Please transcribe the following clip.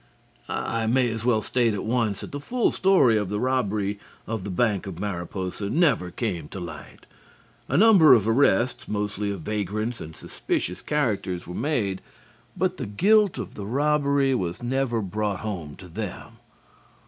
I may as well state at once that the full story of the robbery of the bank of Mariposa never came to the light. A number of arrests mostly of vagrants and suspicious characters were made, but the guilt of the robbery was never brought home to them.